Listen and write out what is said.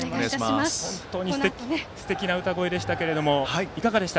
本当にすてきな歌声でしたけれどもいかがでした？